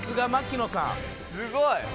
すごい。